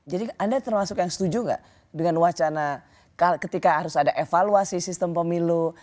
jadi anda termasuk yang setuju gak dengan wacana ketika harus ada evaluasi sistem pemilu